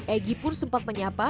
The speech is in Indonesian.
egy pun sempat menyapa